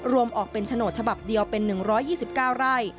ออกเป็นโฉนดฉบับเดียวเป็น๑๒๙ไร่